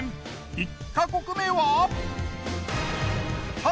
１か国目は。